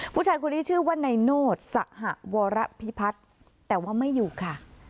ผู้ชายคนนี้ชื่อว่านายโนธสหวรพิพัฒน์แต่ว่าไม่อยู่ค่ะ